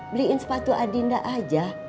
beliin sepatu adinda aja